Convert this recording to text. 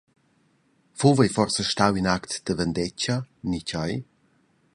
Fuva ei forsa stau in act da vendetga, ni tgei?